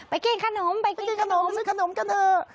ไปกินขนมซื้อขนมกันเถอะ